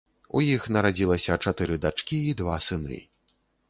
У іх нарадзілася чатыры дачкі і два сыны.